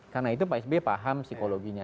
karena itu pak sbi paham psikologinya